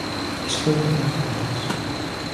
Escoiten a Rubiales.